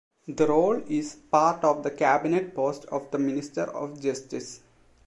The role is part of the cabinet post of the Minister of Justice.